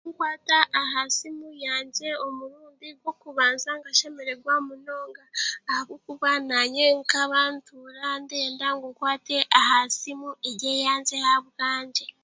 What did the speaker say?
Nkwata aha simu yangye omurundi gw'okubanza nkashemegwa munonga ahabwokuba naanye nkaba ntuura ndeenda ngu nkwate aha simu eri eyangye ahabwangye